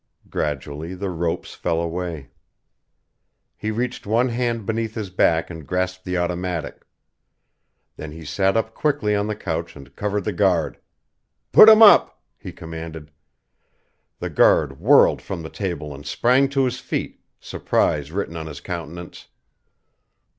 Gradually the ropes fell away. He reached one hand beneath his back and grasped the automatic. Then he sat up quickly on the couch and covered the guard. "Put 'em up!" he commanded. The guard whirled from the table and sprang to his feet, surprise written on his countenance.